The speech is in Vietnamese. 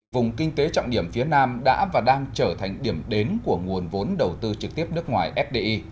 vùng kinh tế trọng điểm phía nam đã và đang trở thành điểm đến của nguồn vốn đầu tư trực tiếp nước ngoài fdi